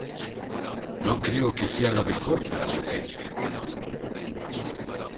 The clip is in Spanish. no creo que sea lo mejor para su gente.